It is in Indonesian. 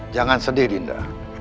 jangan sedih dinda